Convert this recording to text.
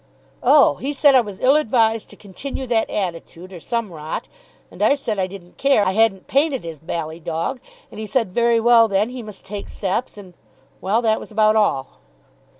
"Oh, he said I was ill advised to continue that attitude, or some rot, and I said I didn't care, I hadn't painted his bally dog, and he said very well, then, he must take steps, and well, that was about all."